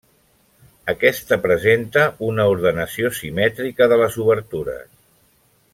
Aquesta presenta una ordenació simètrica de les obertures.